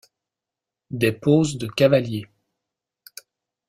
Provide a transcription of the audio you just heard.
Des poses de cavaliers.